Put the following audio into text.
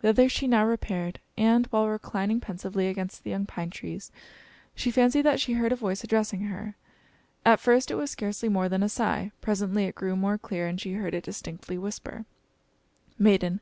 Thither she now repaired, and, while reclining pensively against the young pine tree, she fancied that she heard a voice addressing her. At first it was scarcely more than a sigh; presently it grew more clear, and she heard it distinctly whisper "Maiden!